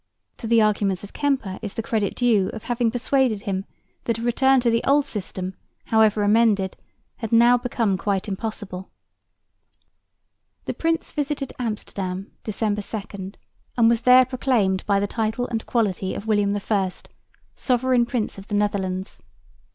To the arguments of Kemper is the credit due of having persuaded him that a return to the old system, however amended, had now become impossible. The prince visited Amsterdam, December 2, and was there proclaimed by the title and quality of William I, Sovereign Prince of the Netherlands.